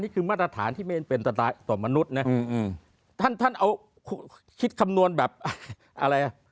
นี่คือมาตรฐานที่เป็นเป็นตัวมนุษย์นะท่านคิดคำนวณแบบอะไรอ่ะ